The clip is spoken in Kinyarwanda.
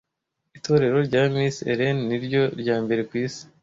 Itorero rya Miss Ellen niryo ryambere kwisi